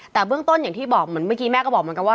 แต่เบื้องต้นอย่างที่บอกเหมือนเมื่อกี้แม่ก็บอกเหมือนกันว่า